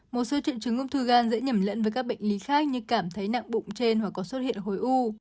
một số triệu chứng ung thư gan dễ nhầm lẫn với các bệnh lý khác như cảm thấy nặng bụng trên hoặc có xuất hiện khối u